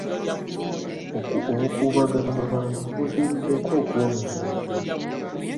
Obukuubagano mu bantu buviiriddeko okwonoona ebintu.